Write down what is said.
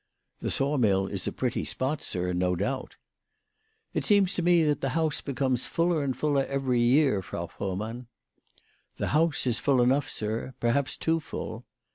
" The saw mill is a pretty spot, sir, no doubt." " It seems to me that the house becomes fuller and fuller every year, Frau Frohmann." " The house is full enough, sir ; perhaps too full."